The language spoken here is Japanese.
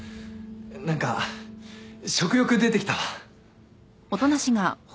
何か食欲出てきたわ。